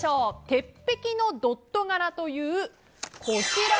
鉄壁のドット柄というこちら。